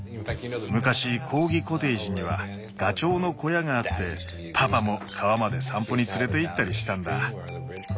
昔コーギコテージにはガチョウの小屋があってパパも川まで散歩に連れていったりしたんだ。